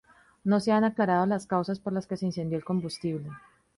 No se han aclarado las causas por las que se incendió el combustible.